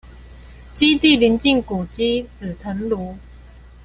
基地鄰近古蹟「紫藤廬」